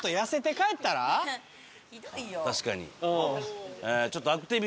確かに。